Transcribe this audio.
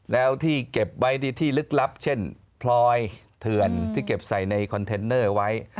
แล้วที่เก็บไว้ในที่ลึกลับเช่นพลอยเถื่อนที่เก็บใส่ในคอนเทนเนอร์ไว้